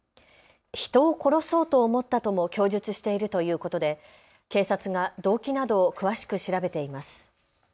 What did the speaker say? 人を殺そうと思ったとも供述しているということで警察が動機などを詳しく調べています。